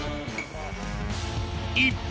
一方